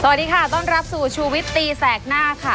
สวัสดีค่ะต้อนรับสู่ชูวิตตีแสกหน้าค่ะ